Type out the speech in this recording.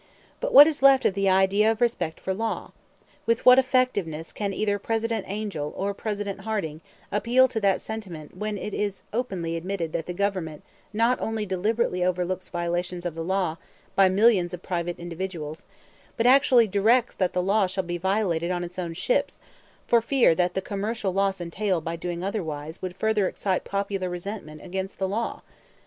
But what is left of the idea of respect for law? With what effectiveness can either President Angell or President Harding appeal to that sentiment when it is openly admitted that the Government not only deliberately overlooks violations of the law by millions of private individuals, but actually directs that the law shall be violated on its own ships, for fear that the commercial loss entailed by doing otherwise would further excite popular resentment against the law?